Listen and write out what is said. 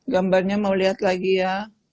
gambarnya mau lihat lagi ya